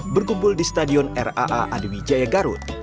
berkumpul di stadion raa adewijaya garut